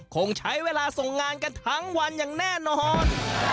คงใช้เวลาส่งงานกันทั้งวันอย่างแน่นอน